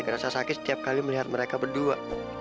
rasa sakit setiap kali melihat mereka berdua